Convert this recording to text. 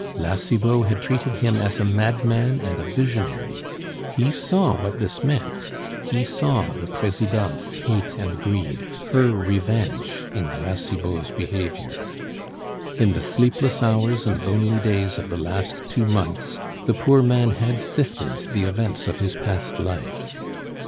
La Cibot had treated him as a madman and a visionary; he saw what this meant he saw the Presidente's hate and greed, her revenge in La Cibot's behavior. In the sleepless hours and lonely days of the last two months, the poor man had sifted the events of his past life.